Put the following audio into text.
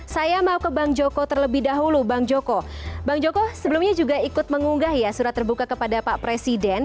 saya mau ke bang joko terlebih dahulu bang joko bang joko sebelumnya juga ikut mengunggah ya surat terbuka kepada pak presiden